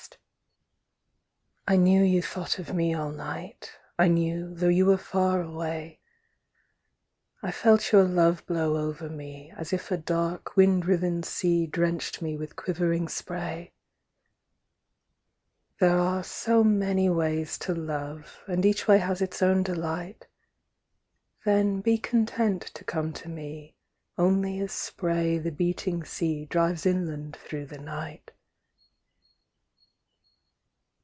Spray I knew you thought of me all night, I knew, though you were far away; I felt your love blow over me As if a dark wind riven sea Drenched me with quivering spray. There are so many ways to love And each way has its own delight Then be content to come to me Only as spray the beating sea Drives inland through the night.